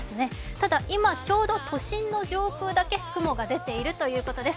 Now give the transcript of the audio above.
ただ今ちょうど都心の上空だけ雲が出ているということです。